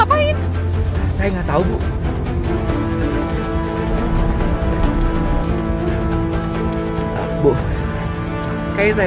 apa yang tadi berkesan